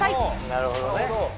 なるほどね。